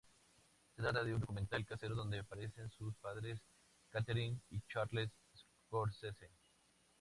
Se trata de un documental casero donde aparecen sus padres, Catherine y Charles Scorsese.